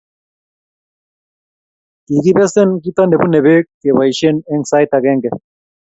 Kikibesen kito nebune beek keboishe eng sait agenge